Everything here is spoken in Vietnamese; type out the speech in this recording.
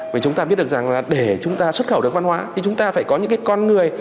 vì chúng ta biết được rằng là để chúng ta xuất khẩu được văn hóa thì chúng ta phải có những cái con người